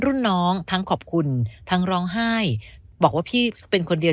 รุ่นน้องทั้งขอบคุณทั้งร้องไห้บอกว่าพี่เป็นคนเดียว